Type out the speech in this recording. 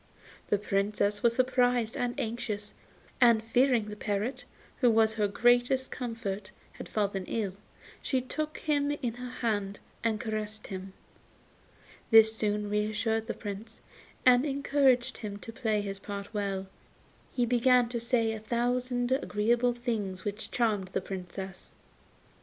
The Princess was surprised and anxious, and fearing the parrot, who was her greatest comfort, had fallen ill, she took him in her hand and caressed him. This soon reassured the Prince, and encouraged him to play his part well, and he began to say a thousand agreeable things which charmed the Princess.